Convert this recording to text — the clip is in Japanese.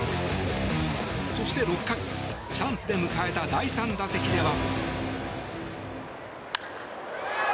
そして６回チャンスで迎えた第３打席では。